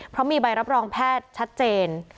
เพราะมีใบรับรองแพทย์ชัดเจน